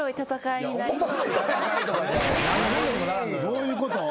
どういうこと？